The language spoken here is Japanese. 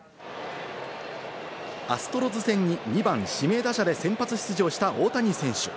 アストロズ戦に２番指名打者で先発出場した大谷選手。